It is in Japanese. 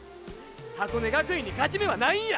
箱根学園に勝ち目はないんや！